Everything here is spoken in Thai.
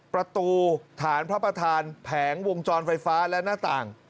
ประตูฐานพระประธานแผงวงจรไฟฟ้าและหน้าต่าง